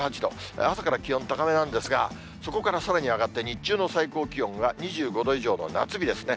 朝から気温高めなんですが、そこからさらに上がって、日中の最高気温が２５度以上の夏日ですね。